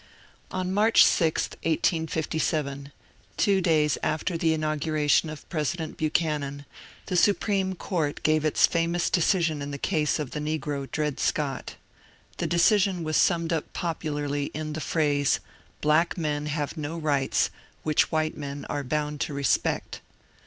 On March 6, 1857, two days after the inauguration of President Buchanan, the Supreme Court gave its famous de cision in the case of the negro Dred Scott. The decision was summed up popularly in the phrase, ^^ Black men have no rights which white men are bound to respect."